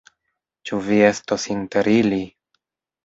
Ĉu vi estos inter ili?